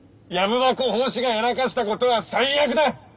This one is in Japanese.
「藪箱法師」がやらかしたことは最悪だッ！